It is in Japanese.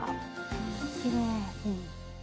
あきれい。